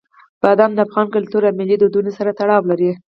بادام د افغان کلتور او ملي دودونو سره تړاو لري.